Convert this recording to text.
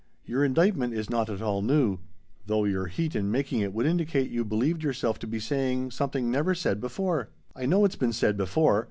Your indictment is not at all new, though your heat in making it would indicate you believed yourself to be saying something never said before " "I know it's been said before!